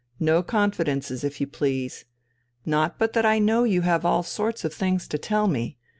No confidences, if you please! Not but that I know that you have all sorts of things to tell me....